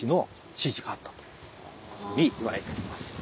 というふうにいわれております。